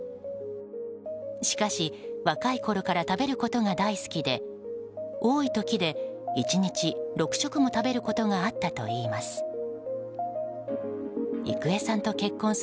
しかし、若いころから食べることが大好きで多い時で１日６食も食べることがあったといいます。